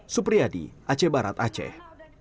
supriyadi aceh barat aceh